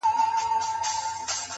سل لكۍ په ځان پسې كړلې يو سري-